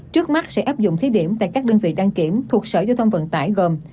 trước mắt sẽ áp dụng thí điểm tại các đơn vị đăng kiểm thuộc sở giao thông vận tải gồm